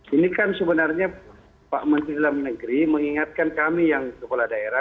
ini kan sebenarnya pak menteri dalam negeri mengingatkan kami yang kepala daerah